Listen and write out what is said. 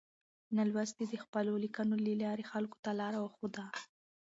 تولستوی د خپلو لیکنو له لارې خلکو ته لاره وښوده.